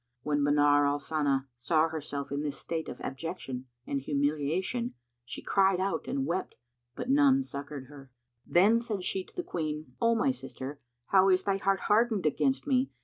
When Manar al Sana saw herself in this state of abjection and humiliation, she cried out and wept; but none succoured her. Then said she to the Queen, "O my sister, how is thy heart hardened against me?